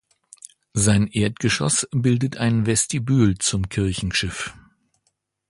Sein Erdgeschoss bildet ein Vestibül zum Kirchenschiff.